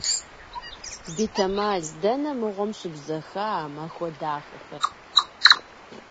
Бетэмал, дэнэ мыгъуэм щыбзэха а махуэ дахэхэр?!